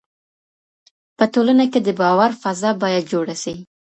په ټولنه کي د باور فضا باید جوړه سي.